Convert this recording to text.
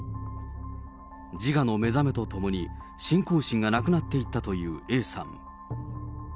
自我の目覚めとともに、信仰心がなくなっていったというＡさん。